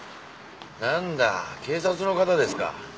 なんだ警察の方ですか。